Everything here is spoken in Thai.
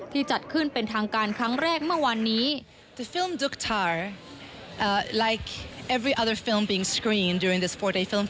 จัดขึ้นเป็นทางการครั้งแรกเมื่อวานนี้